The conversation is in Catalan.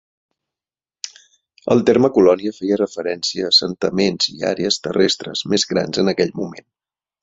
El terme "colònia" feia referència a assentaments i àrees terrestres més grans en aquell moment.